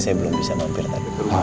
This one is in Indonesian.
saya belum bisa mampir tadi